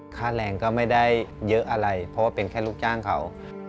ค่าแรงก็ไม่ได้เยอะอะไรเพราะว่าเป็นแค่ลูกจ้างเขา